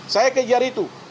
saya kejar itu